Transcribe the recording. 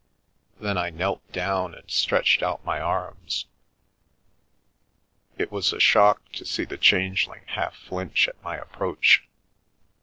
Then I knelt down, and stretched out my arms. It was a shock to see the Changeling half flinch at my approach.